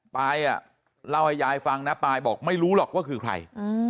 ปายเล่าให้ยายฟังนะปายบอกไม่รู้หรอกว่าคือใคร